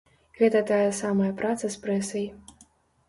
Гэта тая самая праца з прэсай.